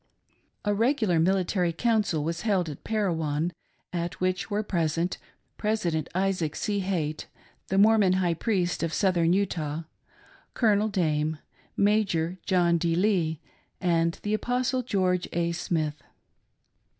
A regular military council was held at Parowan, at which were present President Isaac C. Haight, the Mormon High Priest of Southern Utah, Colonel Dame, Major John D. Lee, and the' Apostle George A. Smith.